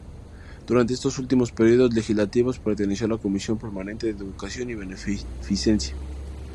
Durante estos últimos períodos legislativos, perteneció a la Comisión permanente de Educación y Beneficencia.